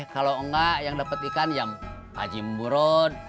kalau enggak yang dapat ikan ya pak haji murot